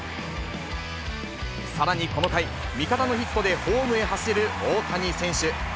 さらにこの回、味方のヒットでホームへ走る大谷選手。